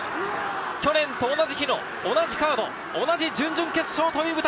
去年と同じ日の同じカード、同じ準々決勝という舞台。